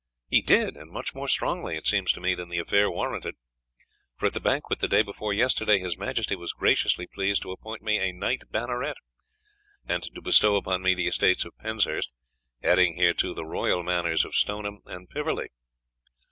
"He did, and much more strongly, it seems to me, than the affair warranted, for at the banquet the day before yesterday his majesty was graciously pleased to appoint me a knight banneret, and to bestow upon me the estates of Penshurst, adding thereto the royal manors of Stoneham and Piverley."